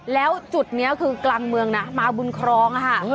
แล้วจุดนี้คือกลางเมืองนะมาบุญครองค่ะ